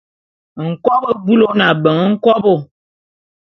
Nkobô bulu ô ne abeng nkobo.